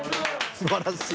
「すばらしい！」。